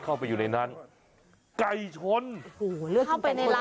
เข้าไปในร้านก็ต้องไก่นั่นแหละ